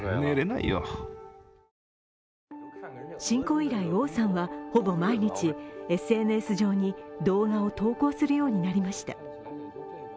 侵攻以来、王さんはほぼ毎日ＳＮＳ上に動画を投稿するようになりました。